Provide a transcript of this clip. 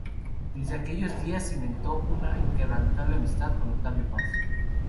Desde aquellos días cimentó una inquebrantable amistad con Octavio Paz.